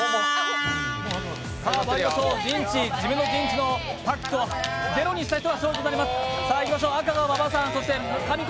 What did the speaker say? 自分の陣地のパックをゼロにした人が勝利となります。